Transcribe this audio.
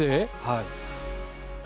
はい。